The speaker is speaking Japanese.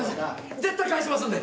絶対返しますんで。